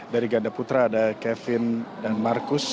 dari ganda putra ada kevin dan marcus